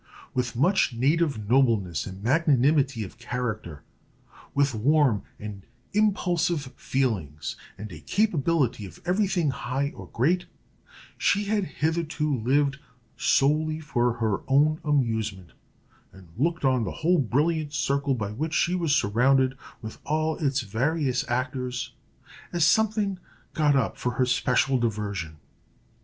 With much native nobleness and magnanimity of character, with warm and impulsive feelings, and a capability of every thing high or great, she had hitherto lived solely for her own amusement, and looked on the whole brilliant circle by which she was surrounded, with all its various actors, as something got up for her special diversion.